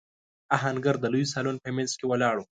آهنګر د لوی سالون په مينځ کې ولاړ و.